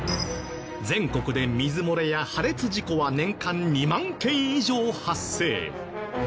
全国で水漏れや破裂事故は年間２万件以上発生。